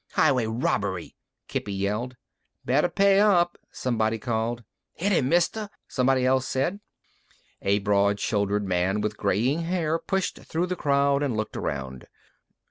"Highway robbery!" Kippy yelled. "Better pay up," somebody called. "Hit him, mister," someone else said. A broad shouldered man with graying hair pushed through the crowd and looked around.